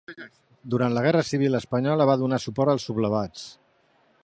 Durant la guerra civil espanyola va donar suport als sublevats.